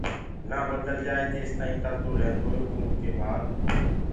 نآ بدل جآئي تيستآئين ڪردو ريهيندوئي اُرو ڪي بآد